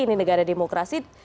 ini negara demokrasi